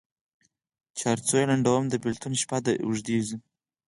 چي هر څو یې لنډومه د بېلتون شپه دي اوږده سي